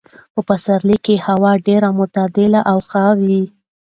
په پسرلي کې هوا ډېره معتدله او ښه وي.